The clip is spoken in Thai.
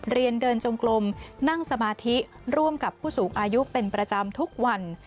เรียนเดินจงกลมนั่งสมาธิร่วมกับผู้สูงอายุเป็นประจำทุกวัน